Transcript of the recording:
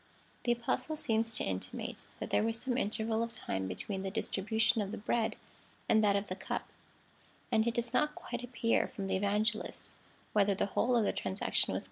The Apostle seems to intimate, that there was some intei'val of time between the distribution of the bread and that of the cup, and it does not quite appear from the Evangelists whether the whole of the transaction was continuous.